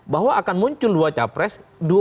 bahwa akan muncul dua capres